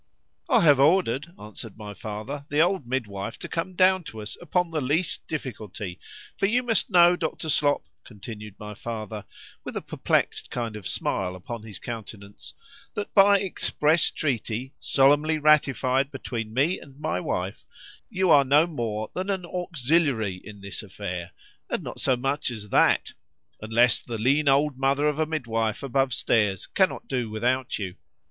I have ordered, answered my father, the old midwife to come down to us upon the least difficulty;—for you must know, Dr. Slop, continued my father, with a perplexed kind of a smile upon his countenance, that by express treaty, solemnly ratified between me and my wife, you are no more than an auxiliary in this affair,—and not so much as that,—unless the lean old mother of a midwife above stairs cannot do without you.